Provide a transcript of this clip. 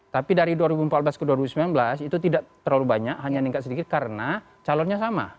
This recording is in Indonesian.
tapi dari dua ribu empat belas ke dua ribu sembilan belas itu tidak terlalu banyak hanya meningkat sedikit karena calonnya sama